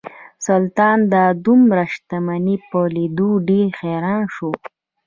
سلطان د دومره شتمنۍ په لیدو ډیر حیران شو.